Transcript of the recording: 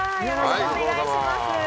よろしくお願いします。